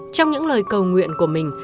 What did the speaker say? trong những lời cầu nguyện của mình